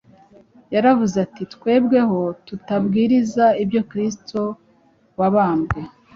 Yaravuze ati: “Twebweho tubabwiriza ibya Kristo wabambwe: